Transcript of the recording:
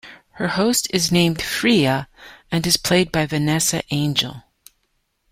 Her host is named Freyja, and is played by Vanessa Angel.